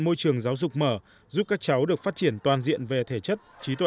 môi trường giáo dục mở giúp các cháu được phát triển toàn diện về thể chất trí tuệ